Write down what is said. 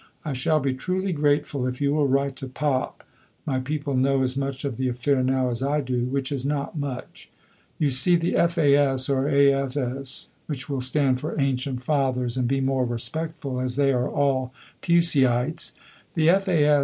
I shall be truly grateful if you will write to Pop my people know as much of the affair now as I do which is not much. You see the F.A.S. (or A.F.S., which will stand for "ancient fathers" and be more respectful, as they are all Puseyites), the F.A.S.